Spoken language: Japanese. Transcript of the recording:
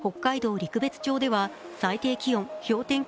陸別町では最低気温、氷点下